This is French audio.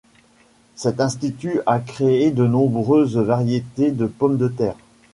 Cet institut a créé de nombreuses variétés de pomme de terre.